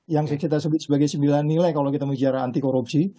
yang kita sebut sebagai sembilan nilai kalau kita bicara anti korupsi